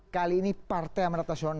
kali ini partai amaratasional